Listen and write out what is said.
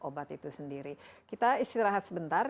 obat itu sendiri kita istirahat sebentar